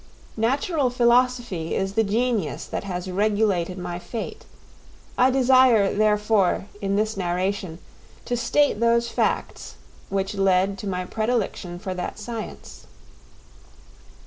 Natural philosophy is the genius that has regulated my fate; I desire, therefore, in this narration, to state those facts which led to my predilection for that science.